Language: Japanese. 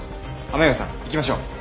雨宮さん行きましょう。